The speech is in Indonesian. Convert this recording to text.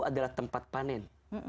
adalah tempat panen